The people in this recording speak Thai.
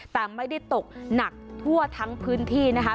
แต่ไม่ได้ตกหนักทั่วทั้งพื้นที่นะคะ